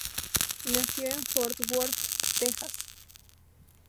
Nació en Fort Worth, Texas.